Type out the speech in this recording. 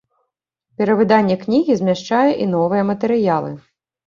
Перавыданне кнігі змяшчае і новыя матэрыялы.